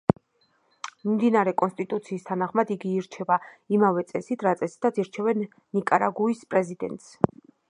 მიმდინარე კონსტიტუციის თანახმად იგი ირჩევა იმავე წესით რა წესითაც ირჩევენ ნიკარაგუის პრეზიდენტს.